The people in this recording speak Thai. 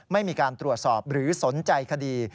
ไม่มีการตรวจสอบหรือสนใจคดี